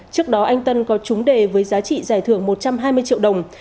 trước đó anh tân có trúng đề với giá trị giải thưởng một trăm hai mươi triệu đồng